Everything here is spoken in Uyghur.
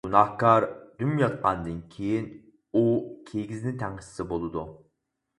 گۇناھكار دۈم ياتقاندىن كېيىن ئۇ كىگىزنى تەڭشىسە بولىدۇ.